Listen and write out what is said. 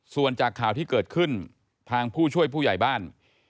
ส่วนจากข่าวที่เกิดขึ้นทางผู้ช่วยผู้ใหญ่บ้าน